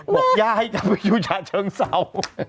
บอกย่าให้อยู่ชั้นเชิงเศร้า